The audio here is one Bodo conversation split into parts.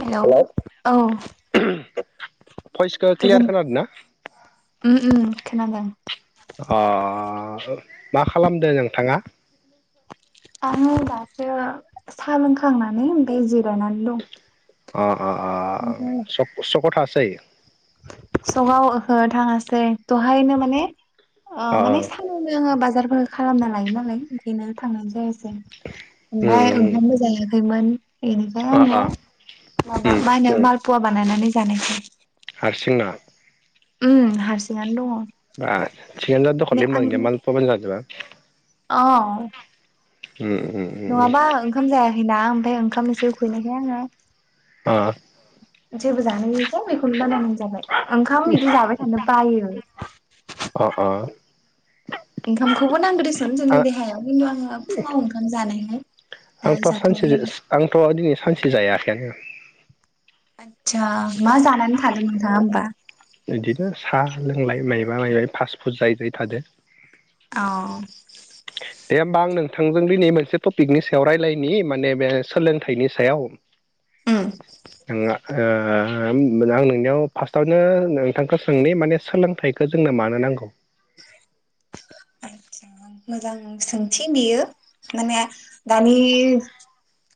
हेलौ औ। भइसखौ क्लियार गोजोन खोनादों ना। उम उम खोनादोंं। अ मा खालामदों नोंथाङा। आंङो दासो साहा लोंखांनानै ओमफ्राय जिरायनानै दं। अ अ अ सकआव थांङासै। सगाव ओहो थांङासै दहायनो माने अ माने [inaudible] बाजार खालामना लायो नालाय ओंखायनो थांनाय जायासै ओमफ्राय उम ओंखामबो जायाखै। जायाखैमोन बेनिफ्राय अ आंङो अ माबा मालपवा बानायनानै जानायसै। हारसिंनो। उम हारसिंनो दङ। [inaudible] औ। उम उम उम नङाबा ओंखाम जायाखैना ओमफ्राय ओंखामसो उखैनायखाय आंङो। औ। जेबो जानायसै बेखौनो बानायनाय जाबाय ओंखाम बिदि जाबाय थानो बायो। अ अ। ओंखामखौबो नांगौ दिसुन आ जोंनो देहायाव खिन्थु आंङो फुङाव ओंखाम जानो हाया। आंथ सानसे आंथ दिनै सानसे जायाखैनो। आदसा मा जानानै थादों नोंथाङा होमबा। बिदिनो साहा लोंलाय माबा मायबा फास फुद जायै जायै थादों। औ। दे होमबा आं नोंथांजों दिनै मोनसे टपिकनि सायाव रायज्लायनि माने बे सोलोंथाइनि सायाव। उम। आं ओ आं नोंनियाव फार्स्टआवनो नोंथांखौ सोंनि माने सोलोंथाइखौ जोंना मानो। नांगौ। मोजां सोंथि बेयो माने दानि।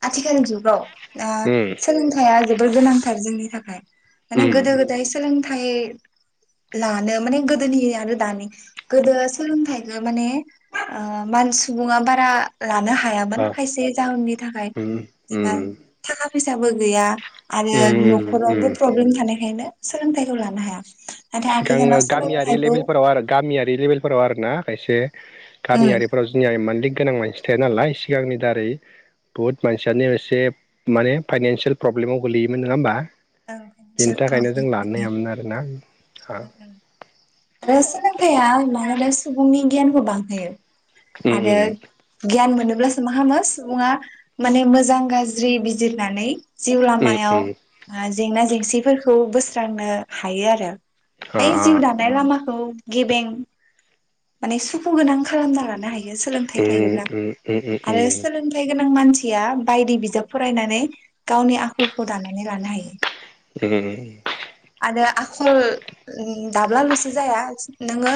आथिखालनि जुगाव। उम सोलोंथाइया जोबोर गोनांथार जोंनि थाखाय माने गोदो उम गोदाय सोलोंथाय। [inaudible] सोलोंथाइखौ माने सुबुङा बारा। लानो हायामोन ओ खायसे जाहोननि थाखाय उम जेनबा उम थाखा फैसाबो गैया। आरो उम नखरावबो उम प्रब्लेम थानायखायनो सोलोंथाइखौ लानो हाया। सिगां आथिखालाव गामियारि सोलोंथाइखौ लेभेलफोराव आरो गामियारि लेभेलफोराव आरो ना खायसे। उम गामियारिफोराव जोंनिया मेनलि गोनां मानसि थाया नालाय सिगांनि दारै। बुहुत मानसियानो एसे माने फाइनानसियेल प्रब्लेमाव गोलैयोमोन नङा होमबा। बेनि थाखायनो जों लानो हायामोन आरोना। आरो सोलोंथाइया मानोना सुबुंनि गियानखौ बांहोयो। उम आरो उम गियान मोनोब्लासो मा खालामो। सुबुङा माने मोजां गाज्रि बिजिरनानै। जिउ उम उम लामायाव जेंना जेंसिफोरखौ बोस्रांनो हायो आरो। अ। बै जिउ दानाय लामाखौ गेबें माने सुखु गोनां खालामना लानो हायो। सोलोंथार उम थायोब्ला उम आरो उम सोलोंथाइगोनां गोनां मानसिया बायदि बिजाब फरायनानै गावनि आखलखौ दानानै लानो हायो। उम। आरो आखल दाब्लालसो जाया नोङो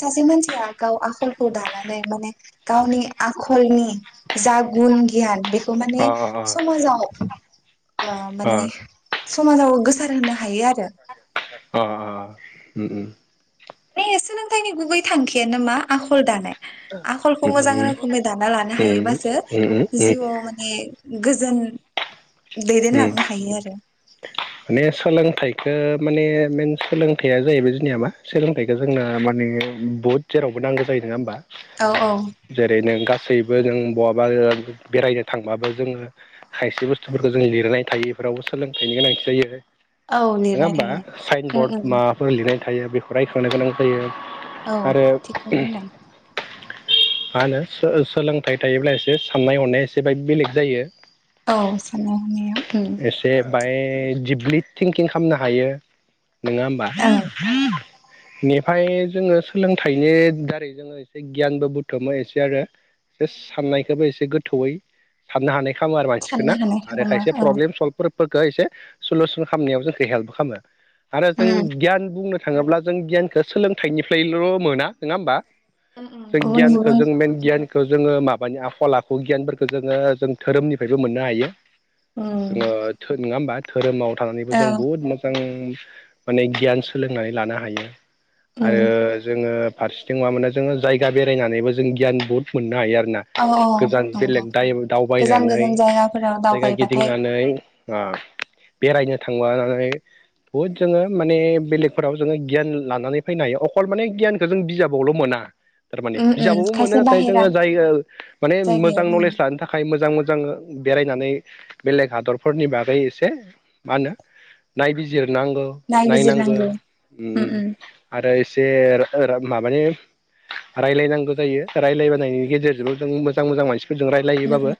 सासे मानसिया गाव आखल खौ दानानै माने गावनि आखलनि जा गुन गियान बेख खौ माने समाजाव ओ माने समाजाव गोसार होनो हायो आरो। अ उम-उम। बे सोलोंथाइनि गुबै थांखियानो नमा आखल दानाय। आखलखौ मोजां रोखोमै दाना लानो हायोबासो जिउआव माने गोजोन दैदेनलांनो हायो आरो। माने सोलोंथाइखौ माने मेन सोलोंथाइया जाहैबाय जोंनिया मा सोलोंथाइखो जोंना माने [unintelligible] बहुद जेरावबो नांगो जायो नोङा होमबा औ औ जेरै नों गास सैबो जों बहाबा ओ बेरायनो थांबाबो जोङो खायसे बुस्थुफोरखो जों लिरनाय थायोबा फोरावबो सोलोंथाइनि गोनांथि जायो औ नोङा लिरनाय होमबा थायो साइन उम बर्ड उम माफोर लिरनाय थायो बेखौ रायखांनो गोनां जायो। औ आरो थिगखौनो होनदों। मा होनो सो-सो सोलोंथाइ थायोब्ला एसे साननाय हनाया एसे बेलेग जायो। औ साननाय हनाया उम एसे बाय दिपलि थिंकिं खामनो हायो नोङा होमबा। ओ इनिफाय जोङो सोलोंथाइनि दारै जोङो एसे गियानबो बुथुमो एसे आरो। बे साननायखोबो एसे गोथौयै साननो हानाय खामो आरो मानसिखो साननो ना हानाय आरो खालामो खायसे औ प्रब्लेम सल्भफोरफोरखौ एसे सुलुसन खामनायाव जोंखो हेल्पबो खामो। आरो जों गियान बुंनो थाङोब्ला जों गियानखो सोलोंथाइनिफ्रायल' मोना नोङा ओमबा उम जों गुबुन गियानखो गुबुन जों मेन गियान खौ जोङो माबानि आखल आखु गियानफोरखो जोङो जों धोरोमनिफायबो मोननो हायो। जोङो धो नोङा ओमबा धोरोमाव थानानैबो औ जों बुहुत मोजां माने गियान सोलोंनानै लानो हायो आरो जोङो फारसेथिं मा मोनो जोङो जायगा बेरायनानैबो जों गियान बहुत मोननो हायो आरो ना औ गोजान नंगौ बेलेग दाय गोजान दावबायनानै गोजान जायगाफोराव जायगा दावबायबाथाय गिदिंनानै ओ ओह बेरायनो थांबानानै बुहुद जोङो माने बेलेगफोराव जोङो गियान लानानै फैनो हायो अखल माने गियानखो जों बिजाबावल' मोना। थारमाने उम उम बिजाबावबो मोनो खायसे नाथाय बाहेरा जोङो जाय ओ माने मोजां जायगायाव नलेज लानो थाखाय मोजां मो जांङो बेरायनानै बेलेग हादरफोरनि बागै एसे मा होनो नायबिजिर नांगौ नायनांगो नायबिजिरनांगौ उम आरो एसे रा [unintelligible] माबानि रायलायनांगौ जायो ओ रायलायबानायनि गेजेरजोंबो जों मोजां मोजां मानसि मोजां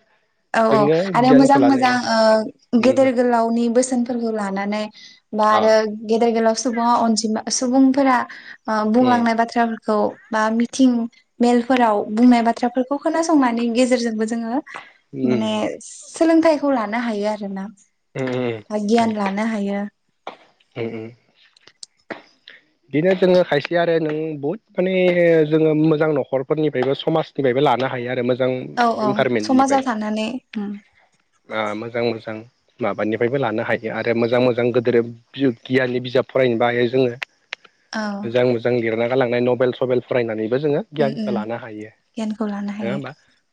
औ-औ आरो गियानखौ लानो मोजां-मोजां हायो ओ गेदेर उम गोलावनि बोसोनफोरखौ लानानै बा अ आरो उम गेदेर गोलाव सुबुङा अनजिमा सुबुंफोरा ओ बुंलांनाय बाथ्रा [unintelligible] खौ बा मिथिं मेलफोराव बुंनाय बाथ्राफोरखौ खोनासंनायनि गेजेरजोंबो जोङो उम माने सोलोंथाइखौ लानो हायो आरो ना। उम बा उम गियान लानो हायो। उम उम दिनो जोङो खायसे आरो नों बहुद माने जोङो मोजां न'खरफोरनिफ्रायबो समाजनिफायबो लानो हायो आरो मोज जां औ औ इनभारमेन्टनिफाय समाजाव थानानै उम बा मोजां-मोजां माबानिफायबो लानो हायो आरो मोजां-मोजां गोदोर [unintelligible] गियाननि बिजाब फरायनोबो हायो जोङो। औ मोजां मोजां लिरना गालांनाय नबेल सबेल फरायनानै बो जोंङो उम गियानखो उम लानो हायो गियानखौ लानो नोंङा हायो होमबा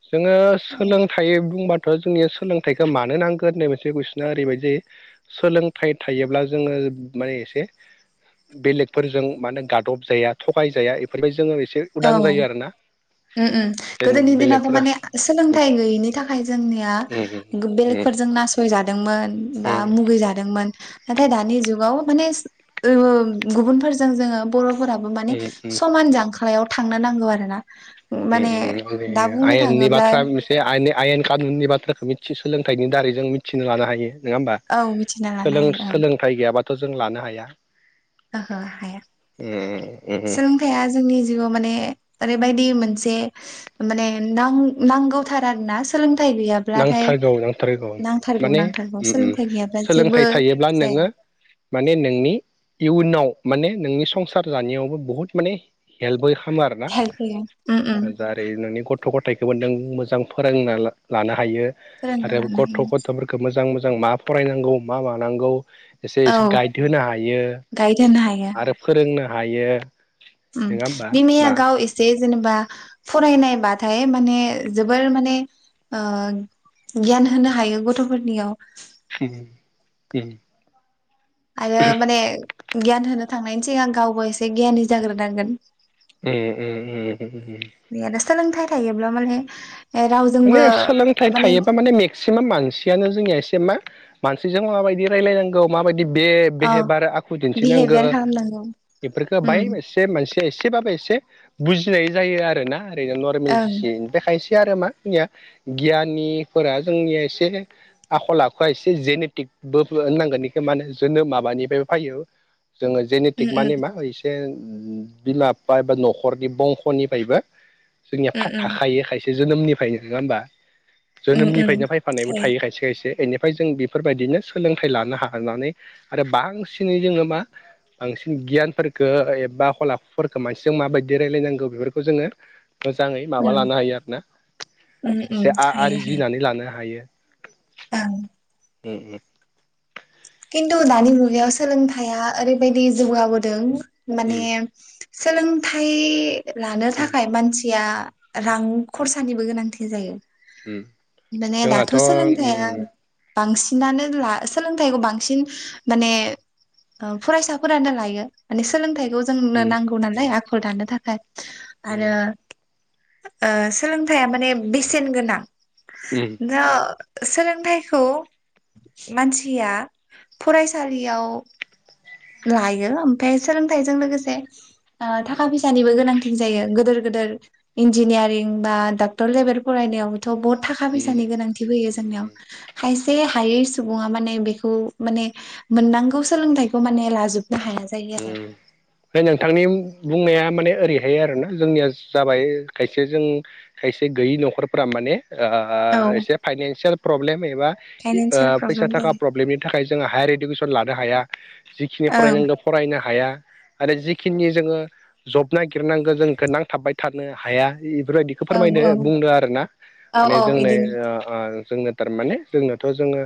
जोंङो सोलोंथाइ बुंबा थ' जोंनिया सोलोंथाइखो मानो नांगोन होननाय मोनसे कुइसना ओरैबायदि जायो सोलोंथाइ थायोब्ला जोंङो ओब माने एसे बेलेक फोरजों मानो गादब जाया थ'खाय जाया इफोरनिफाय जोंङो एसे औ उदां जायो आरोना उम उम जेन गोदोनि दिनावथ' बेलेगफोरा माने सोलोंथाइ गैयैनि थाखाय जोंनिया गो बेलेग फोरजों नासयजादोंमोन बा मुगै जादोंमोन। नाथाय दानि जुगाव माने उम गुबुनफोरजों जोङो बर' फोराबो माने समान जांख्लायाव थांनो नांगौ आरो ना। उम उम बिदिनो आयेननि बाथ्रा मोनसे आयेनि आयेन कानुननि बाथ्राखौ मिथि सोलोंथाइनि दारै जों मिथिनो लानो हायो। नोंङा होमबा औ मिथिना लानो सोलों हायो ओं सोलोंथाइ गैयाबाथ' जों लानो हाया। ओहो हाया। सोलोंथाइया जोंनि जिउआव माने ओरैबायदि मोनसे [unintelligible] मानो नां-नांगौथार आरो ना सोलों नांथारगौ नांथारगौ नांथारगौ माने नांथारगौ उम उम सोलोंथाइ गैयाब्ला जेबो सोलोंथाइ थायोब्ला नोङो जाया माने नोंनि इयुनाव माने नोंनि संसार जानायावबो बुहुत माने हेल्पबो खामो आरो ना हेल्प होयो उम उम जारै नोंनि गथ थ' गथाइखोबो नों मोजां फोरोंना‌ ला लानो हायो फोरोंना आरो गथ' लानो गथ'फोरखो मोजां मो जां मा फरायनांगौ मा मानांगौ एसे हायो एसे औ गाइड होनो हायो गाइड होनो हायो आरो फोरोंनो हायो। उम नङा होमबा बिमाया मा गाव एसे जेनेबा फरायनायबाथाय माने जोबोर माने ओ गियान होनो हायो गथ'फोरनियाव होम उम। आरो माने गियान होनो थांनायनि सिगांं गावबो एसे गियाननि जाग्रोनांगोन। ए ए ए ए ए। बे आरो सोलोंथाइ थायोब्ला माने रावजोंबो माने सोलोंथाइ थायोबा माने मेक्सिमाम मानसियानो जोंनिया एसे मा मानसिजों माबायदि रायलायनांगौ माबाय बेदि बे औ बेहेबार आखु दिन्थिनांगो बिहेभियार खालामनांगौ बेफोरखो बाय उम एसे मोन से एसेबाबो एसे बुजिनाय जायो आरो ना ओरैजा नरमेल ओं सिन ओमफ्राय खायसेया आरो मा खिनिया गियाननिफोरा जोंनिया एसे आखल आखुआ एसे जेनेटिक बो होननांगोन इखो माहोनो जोनोम माबानिफ्रायबो फायो जोङो उम जेनेटिक माने मा एसे बिलाबफा एबा न'खरनि बंख'निफ्रायबो जोंनिया‌ फा उम थाखायो खायसे जोनोमनिफ्रायनो नोङा होमबा। उम उम जोनोमनिफ्रायनो फायफानायबो हायो थायो खायसे खायसे इनि फ्राय जों बेफोरबायदिनो सोलोंथाइ लानो हानानै आरो बांसिनै जोङो मा बांसिन गियानफोरखो एबा आखल आखुफोरखो मानसिजों माबायदि रायलायनांगो बेफोरखौ जोङो मोजांङै माबा उम लानो हायो आरो ना उम उम एसे हायो हायो आ-आरजिनानै लानो हायो। ओं उम उम। खिन्थु दानि मुगायाव सोलोंथाइआ ओरैबायदि जौगाबोदों माने उम सोलोंथाइ लानो उम थाखाय मानसिया रां खरसानिबो गोनांथि जायो। उम उम माने दाथ' जोंहाथ' उम सोलोंथाइया बांसिनानो ला सोलोंथाइखौ बां सिन माने ओ फरायसाफोरानो लायो माने सोंलोंथाय खौ जोंनो उम नांगौ नालाय आखल दानो थाखाय आरो उम ओ सोलोंथाइया माने बेसेन गोनां। उम नो सोलोंथाइखौ मानसिया फरायसालियाव लायो ओमफाय सोलोंथाइजों लोगोसे ओ थाखा फैसानिबो गोनांथि जायो गोेदोर गो दोर इन्जिनियारिं बा डाक्टर लेबेल फरायनायाव थ' बहुद थाखा फैसानि गोनांथि फैयो उम जोंनियाव। उम खायसे हायै सुबुङा माने बेखौ माने मोननांगौ सोलोंथाइखौ माने लाजोब ओ ओमफाय नोंथांनि बुंनाया माने ओरैहाय आरो ना जोंनिया जाबाय खायसे जों खायसे गैयि न'खरफोरा माने ओ औ एसे फाइनान्सियेल प्रब्लेम एबा ओ फाइनानसियेल फैसा प्रब्लेम जायो थाखा प्रब्लेमनि थाखाय जोङो हायेर इडुकेसन लानो हाया जिखिनि ओं फरायनांगौ फरायनो हाया आरो जिखिनि जोङो जब नागिरनांगौ जों गोनां थाबाय थानो हाया। बेफोरबायदिखौ औ फोरमायदो औ बुंद आरोना औ माने औ जोंनो इदिनो ओ जोंनो थारमाने जोंनोथ' जोङो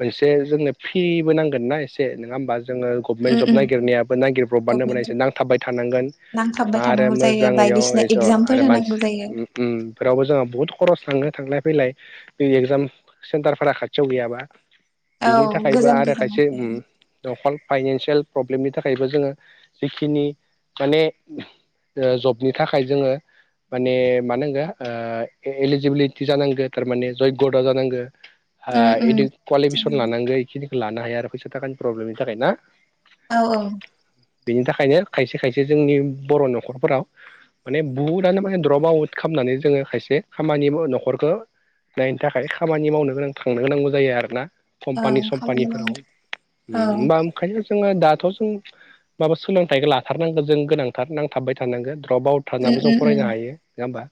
मोनसे जोंनो फ्रिबो नांगोन ना एसे नङा होमबा? जोंनो गबमेन उम जब उम नागिरनायाबो नागिरब्रबानो गभमेन्ट मोननायसै जब नांथाबबाय थानांगोन नांथाबबाय आरो थानांगौ जायो मोजाङैयाव बायदिसिना एस' आरो एगजामफोर होनांगौ जायो मानसिफ्रावबो जोंहा बहुत खरस लाांनो थांलाय फैलाय बे एगजाम सेन्टारफोरा खाथियाव गैयाबा औ बिनि थाखायबो गोजान आरो गोजानाव खायसे थायो। नखल फाइनानसियेल प्रब्लेमनि थाखायबो जोङो जिखिनि माने ओ जबनि थाखाय जोङो माने मानांगो एलिजिबिलिटि जानांगो थारमाने जग्य दा जानांगोन। उम उम इ कुवालिफिकेसन जानांगौ लानांगौ बेखिनिखौ लानो हाया आरो फैसा थाखानि प्रब्लेमनि थाखाय ना? औ औ। बेनि थाखायनो खायसे खायसे जोंनि बर' न'खरफोराव माने बहुदनो माने द्रप आउट खालाम नानै जोङो खायसे खामानि न'खरखौ नायनो थाखाय खामानि मावनो गोनां थांनो गोनांगौ जायो आरो ना। कम्पानि ओं खामानि सम्पानिफोराव हम मावनो औ होनबा ओंखायो जोङो दाथ' जों माबा सोलोंथाइखौ लाथारनांगोन जों गोनांथार नांथाबबाय थानांगोन। औ उम बावथारनाबो जों उम उम फरायनो हायो नङा होमबा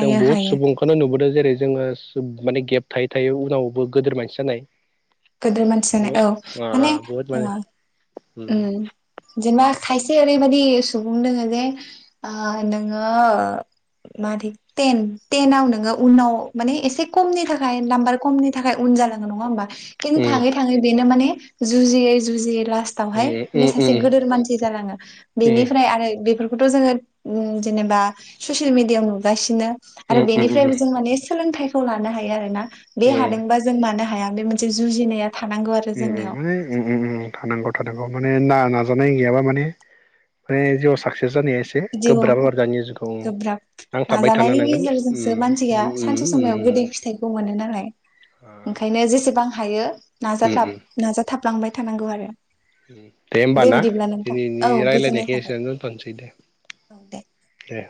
जों बुहुत हायो सुबुंखौनो नुबोदों । जेरै जोङो माने गेब थायो थायो उनावबो गोदोर मानसि जानाय गोदोर मानसि जानाय औ अ माने आं बहुत ओ माने उम जेनेबा खायसे ओरैबायाददि सुबुं दोङो जे नोङो मादै टेन टेनाव नोङो उनाव माने एसे खमनि थाखाय नाम्बार खमनि थाखाय उन जानाङो नङा होनबा? खिथु थाङै थाङै बेनो माने जुजयै जुयै उम उम सासे उम गेदोर मानसि जालाङो उम बेनिफ्राय आरो बे खौथ' जोङो जेनेबा ससियेल मिडियायाव नुगासिनो आरो बेनिफ्रायबो उम जों माने सोलोंथाइखौ लानो हायो आरोोना बे हादोंबा जों मानो हाया बे मोनसे जुजिनाया थानांगौ आरो उम जोंनियाव उम उम उम थानां गथ। थानांगौ माने ना नाजानाय गैयाबा माने बे जिउआव साक्से जानाया एसे जिउ गोब्राब आरो जानिनि जिउखौ गोब्राब नांथाबबाय थानो हानांगोन उम उम उम। बे समायाव गोदै फिथाइखौ मोनो नालाय उम ओंखायनो जेसेबां हायो उम नाजाथाब उम नाजाथाबलांबाय थानांगौ आरो दे होमबाना बिदिब्ला नोंथां दिनैनि औ गोजोननाय रायलायनायखौ एसे थाबाय दोनथ'सै दे। औ दे दे।